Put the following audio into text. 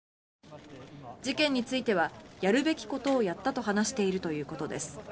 事件についてはやるべきことをやったと話しているということです。